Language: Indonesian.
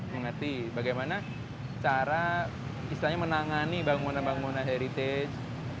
mengerti bagaimana cara misalnya menangani bangunan bangunan heritage